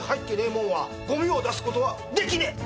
もんはゴミを出すことはできねえ。